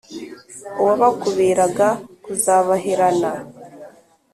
Uwabakubiraga kuzabaherana.